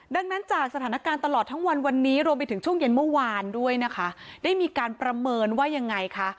ดังนั้นจากสถานการณ์ตลอดทั้งวันวันนี้รวมไปถึงช่วงเย็นเมื่อวานด้วยนะคะได้มีการประเมินว่ายังไงคะ